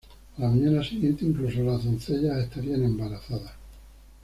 A la mañana siguiente incluso las doncellas estarían embarazadas.